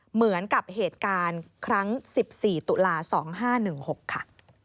เหมือนกับเหตุการณ์ครั้ง๑๔ตุลา๒๕๑๖ค่ะ